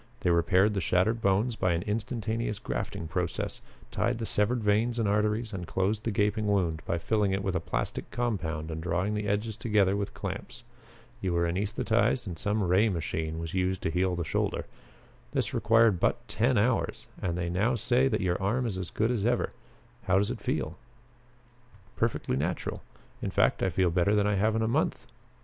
They repaired the shattered bones by an instantaneous grafting process, tied the severed veins and arteries and closed the gaping wound by filling it with a plastic compound and drawing the edges together with clamps. You were anaesthetized and some ray machine was used to heal the shoulder. This required but ten hours and they now say that your arm is as good as ever. How does it feel?" "Perfectly natural. In fact I feel better than I have in a month."